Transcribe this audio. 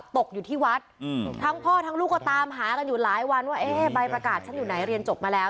ตกอยู่ที่วัดทั้งพ่อทั้งลูกก็ตามหากันอยู่หลายวันว่าเอ๊ะใบประกาศฉันอยู่ไหนเรียนจบมาแล้ว